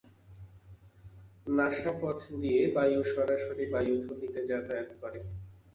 নাসাপথ দিয়ে বায়ু সরাসরি বায়ুথলিতে যাতায়াত করে।